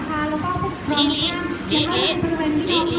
แม่เดินไปกิน